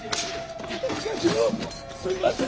社長すんません